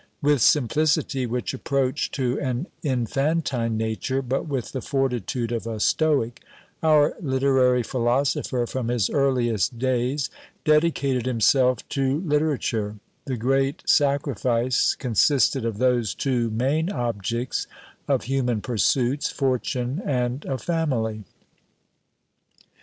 With simplicity which approached to an infantine nature, but with the fortitude of a stoic, our literary philosopher, from his earliest days, dedicated himself to literature; the great sacrifice consisted of those two main objects of human pursuits, fortune and a family.